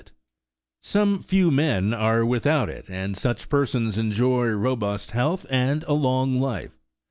69 Some few men are without it, and such persons enjoy robust health and a long life.